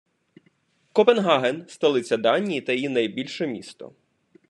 Копенгаген — столиця Данії та її найбільше місто.